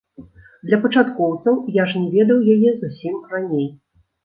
Для пачаткоўцаў, я ж не ведаў яе зусім раней.